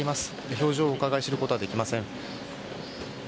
表情をうかがい知ることはできません。